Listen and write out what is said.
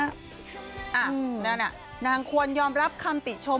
นั่นน่ะนางควรยอมรับคำติชม